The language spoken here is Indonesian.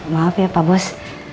maaf ya pak bos